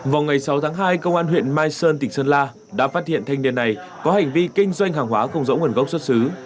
vào ngày sáu tháng hai công an huyện mai sơn tỉnh sơn la đã phát hiện thanh niên này có hành vi kinh doanh hàng hóa không rõ nguồn gốc xuất xứ